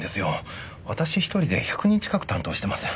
私一人で１００人近く担当してます。